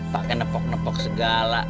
pakai nepok nepok segala